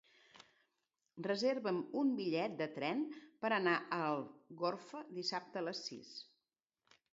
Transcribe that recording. Reserva'm un bitllet de tren per anar a Algorfa dissabte a les sis.